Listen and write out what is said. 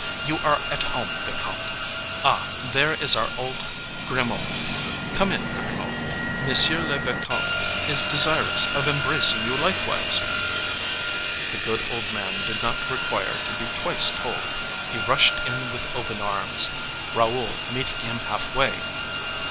You are at home, vicomte! Ah, there is our old Grimaud! Come in, Grimaud: monsieur le vicomte is desirous of embracing you likewise." The good old man did not require to be twice told; he rushed in with open arms, Raoul meeting him half way.